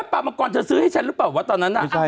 ปลามังกรเธอซื้อให้ฉันหรือเปล่าวะตอนนั้นน่ะ